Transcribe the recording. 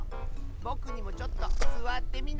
ぼくにもちょっとすわってみない？